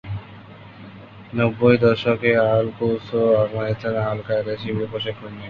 নব্বইয়ের দশকে আল-কুসো আফগানিস্তানের আল-কায়েদার শিবিরে প্রশিক্ষণ নিয়েছিলেন।